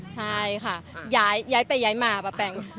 ใช่ค่ะย้ายไปย้ายมาปะแปง